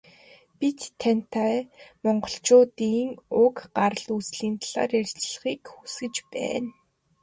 Бид тантай Монголчуудын уг гарал үүслийн талаар ярилцахыг хүсэж байна.